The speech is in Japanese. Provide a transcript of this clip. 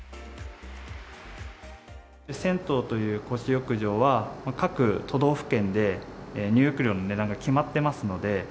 銭湯という公衆浴場は、各都道府県で入浴料の値段が決まってますので。